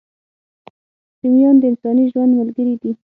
رومیان د انساني ژوند ملګري دي